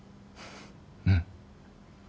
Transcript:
うん。